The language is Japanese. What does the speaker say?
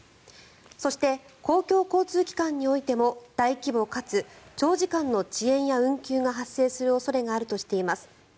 そして、公共交通機関においても大規模かつ長時間の遅延や運休が発生する恐れがあるとしています。